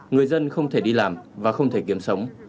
người dân không thể đi làm và không thể kiếm sống